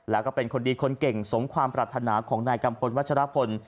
แล้วก็เป็นคนดีคนเก่งสมความปรารถนาของนายกัมพลวัชรพล